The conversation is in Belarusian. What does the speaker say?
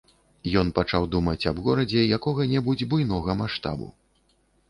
Ён пачаў думаць аб горадзе якога-небудзь буйнога маштабу.